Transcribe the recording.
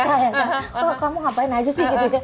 kalau kamu ngapain aja sih gitu ya kan